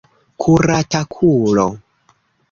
Kuratakulo!